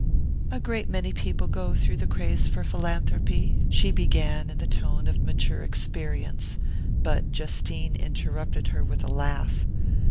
"A great many people go through the craze for philanthropy " she began in the tone of mature experience; but Justine interrupted her with a laugh.